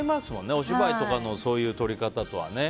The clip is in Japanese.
お芝居とかのそういう撮り方とかとね。